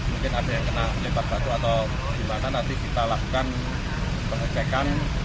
mungkin ada yang kenal lepak batu atau gimana nanti kita lakukan pengecekan